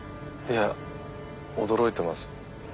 いや驚いてます。